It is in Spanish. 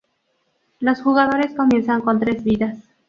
Los jugadores comienzan con tres vidas.